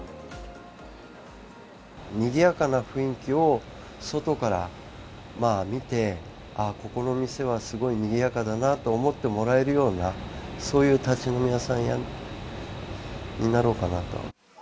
にぎやかな雰囲気を外から見て、ああ、ここの店はすごいにぎやかだなと思ってもらえるような、そういう立ち飲み屋さんになろうかなと。